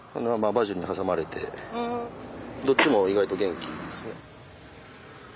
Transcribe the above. バジルに挟まれてどっちも意外と元気ですね。